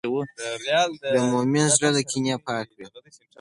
د مؤمن زړه له کینې پاک وي.